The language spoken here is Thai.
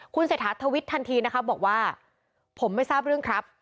คุณเศรษฐาทวิตทันทีนะคะบอกว่าผมไม่ทราบเรื่องครับ